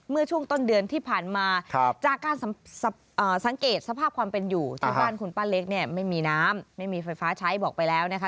เมื่อช่วงต้นเดือนที่ผ่านมาจากการสังเกตสภาพความเป็นอยู่ที่บ้านคุณป้าเล็กเนี่ยไม่มีน้ำไม่มีไฟฟ้าใช้บอกไปแล้วนะคะ